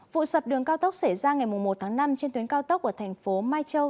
vụ sập đường cao tốc xảy ra ngày một tháng năm trên tuyến cao tốc ở thành phố mai châu